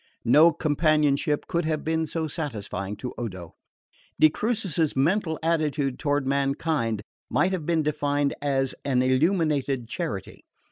No companionship could have been so satisfying to Odo. De Crucis's mental attitude toward mankind might have been defined as an illuminated charity.